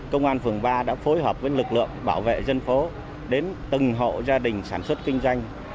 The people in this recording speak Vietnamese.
công an phường ba đã phối hợp với lực lượng bảo vệ dân phố đến từng hộ gia đình sản xuất kinh doanh